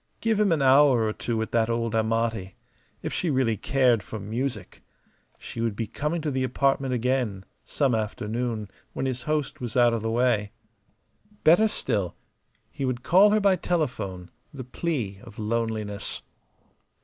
Give him an hour or two with that old Amati if she really cared for music! She would be coming to the apartment again some afternoon, when his host was out of the way. Better still, he would call her by telephone; the plea of loneliness.